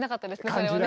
それはね。